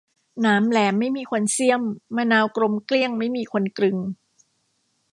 หนามแหลมไม่มีคนเสี้ยม มะนาวกลมเกลี้ยงไม่มีคนกลึง